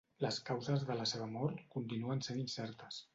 Les causes de la seva mort continuen sent incertes.